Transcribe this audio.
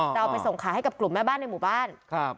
จะเอาไปส่งขายให้กับกลุ่มแม่บ้านในหมู่บ้าน